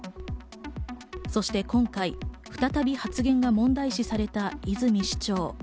そして今回再び発言が問題視された泉市長。